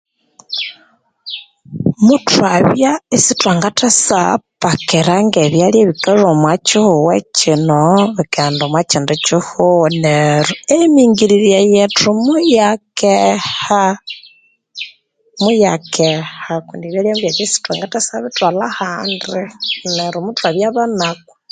Muthwabya isithwagasyapakira ngebyalya ebikalhwa omukihugho kino bikaghenda omakihugho ekindi kihugho neryo emingirirye yethu muyakeha muyakeha kundi ebyalya muthwabya isithwangabithwalha handi neryo muthwabya banaku